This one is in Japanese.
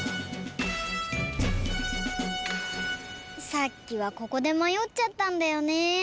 さっきはここでまよっちゃったんだよね。